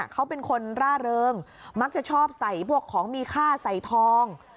เขาเป็นคนร่าเริงมักจะชอบใส่พวกของมีค่าใส่ทอง